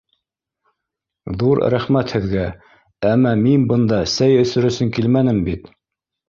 — Ҙур рәхмәт һеҙгә, әммә мин бында сәй эсер өсөн килмәнем бит.